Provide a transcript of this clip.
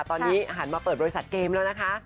ตอนนี้หันมาเปิดบริษัทเกมแล้วนะคะ